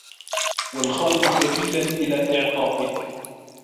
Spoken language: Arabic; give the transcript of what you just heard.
وَالْخَوْفُ سَبِيلًا إلَى إعْطَائِك